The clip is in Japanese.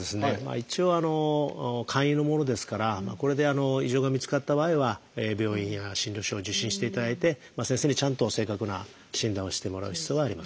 一応簡易のものですからこれで異常が見つかった場合は病院や診療所を受診していただいて先生にちゃんと正確な診断をしてもらう必要があります。